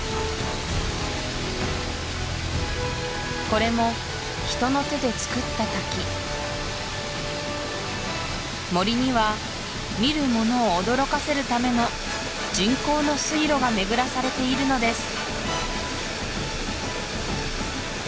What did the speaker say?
これも人の手でつくった滝森には見る者を驚かせるための人工の水路がめぐらされているのです